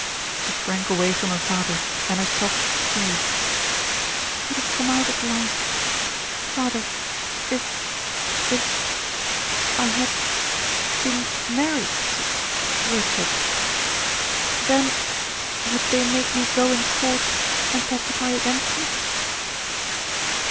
She shrank away from her father and her sobs ceased. "It has come at last. Father if if I had been married to Richard then would they make me go in court and testify against him?"